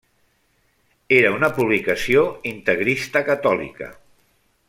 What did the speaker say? Era una publicació integrista catòlica.